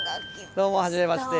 どうもはじめまして。